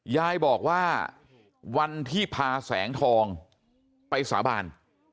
ยายบอกว่าวันที่พาแสงทองไปสาบาน